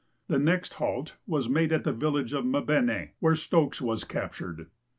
The next halt was made at the village of Mbene, where Stokes was captured.